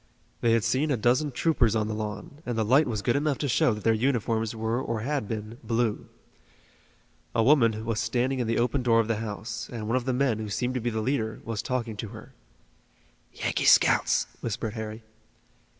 They had seen a dozen troopers on the lawn, and the light was good enough to show that their uniforms were or had been blue. A woman was standing in the open door of the house, and one of the men, who seemed to be the leader, was talking to her. "Yankee scouts," whispered Harry.